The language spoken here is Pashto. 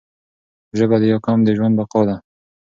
ژبه د یو قوم د ژوند بقا ده